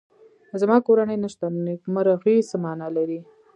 زما کورنۍ نشته نو نېکمرغي څه مانا لري